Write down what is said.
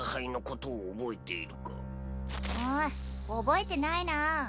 覚えてないなぁ。